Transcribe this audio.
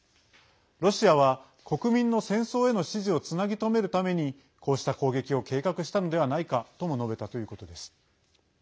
ロシアは、国民の戦争への支持をつなぎ止めるためにこうした攻撃を計画したのではないかとも述べたということです。